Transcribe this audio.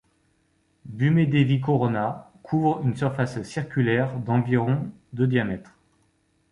Bhumidevi Corona couvre une surface circulaire d'environ de diamètre.